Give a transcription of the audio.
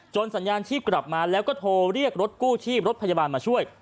สัญญาณชีพกลับมาแล้วก็โทรเรียกรถกู้ชีพรถพยาบาลมาช่วย